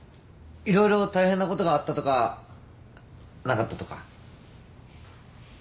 色々大変なことがあったとかなかったとか。